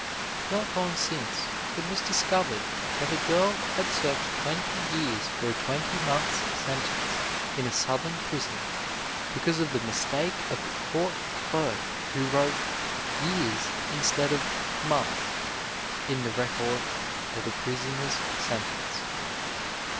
Not long since, it was discovered that a girl had served twenty years for a twenty months' sentence, in a southern prison, because of the mistake of a court clerk who wrote "years" instead of "months" in the record of the prisoner's sentence.